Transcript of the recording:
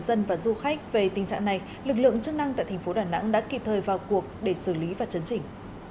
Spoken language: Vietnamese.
dân và du khách về tình trạng này lực lượng chức năng tại thành phố đà nẵng đã kịp thời vào cuộc để xử lý và chấn chỉnh